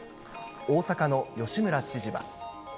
大阪の吉村知事は。